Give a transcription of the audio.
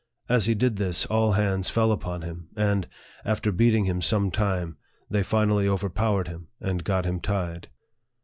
As he did this, all hands fell upon him, and, after beating him some time, they finally over powered him, and got him tied.